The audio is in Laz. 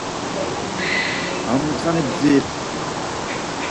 Ar mutxani bdzirit.